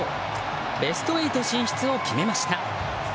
ベスト８進出を決めました。